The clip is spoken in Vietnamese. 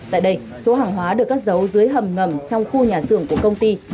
tại đây số hàng hóa được cất giấu dưới hầm ngầm trong khu nhà xưởng của công ty